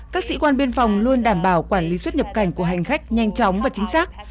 các sĩ quan biên phòng luôn đảm bảo quản lý xuất nhập cảnh của hành khách nhanh chóng và chính xác